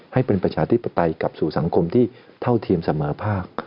ให้เป็นประชาธิปไตยกลับสู่สังคมที่เท่าเทียมเสมอภาค